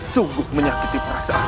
sungguh menyakiti perasaan